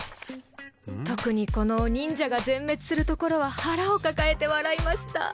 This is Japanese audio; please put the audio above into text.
特にこの忍者が全滅するところは腹を抱えて笑いました